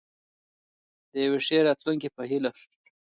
د یوې ښې راتلونکې په هیله.